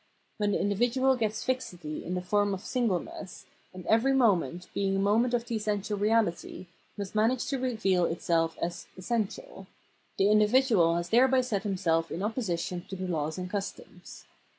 When the individual gets fixity in the form of single ness (and every moment, being a moment of the essential reality, must manage to reveal itself as essen tial), the individual has thereby set himself in opposition to the laws and customs.